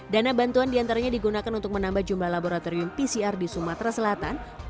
dana bantuan diantaranya digunakan untuk menambah jumlah laboratorium pcr di sumatera selatan